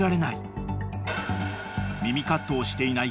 ［耳カットをしていない